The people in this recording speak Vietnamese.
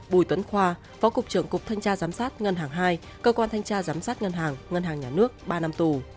bùi tuấn khoa phó cục trưởng cục thanh tra giám sát ngân hàng hai cơ quan thanh tra giám sát ngân hàng ngân hàng nhà nước ba năm tù